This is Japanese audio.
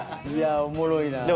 いやおもろいな。